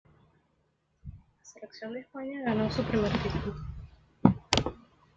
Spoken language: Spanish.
La selección de España ganó su tercer título.